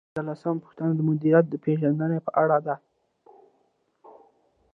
پنځلسمه پوښتنه د مدیر د پیژندنې په اړه ده.